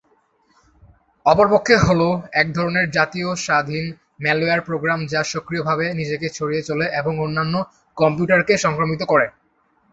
অপরপক্ষে, হল এক জাতীয় স্বাধীন ম্যালওয়্যার প্রোগ্রাম যা সক্রিয়ভাবে নিজেকে ছড়িয়ে চলে এবং অন্যান্য কম্পিউটারকে সংক্রমিত করে।